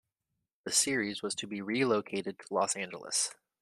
The series was to be relocated to Los Angeles.